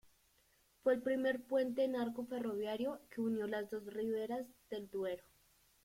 Fue el primer puente en arco ferroviario que unió las dos riberas del Duero.